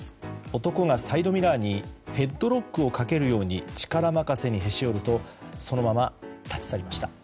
男がサイドミラーにヘッドロックをかけるように力任せにへし折るとそのまま立ち去りました。